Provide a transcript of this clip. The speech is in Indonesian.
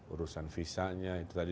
urusan visa nya itu tadi